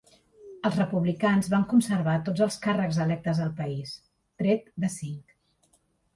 Els Republicans van conservar tots els càrrecs electes al país, tret de cinc.